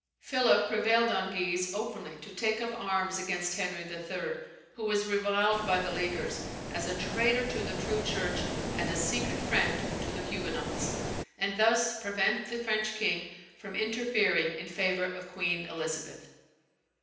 Philip prevailed on Guise openly to take up arms against Henry III. (who was reviled by the Leaguers as a traitor to the true Church, and a secret friend to the Huguenots); and thus prevent the French king from interfering in favour of Queen Elizabeth.